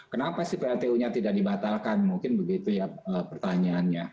kenapa sih pltu nya tidak dibatalkan mungkin begitu ya pertanyaannya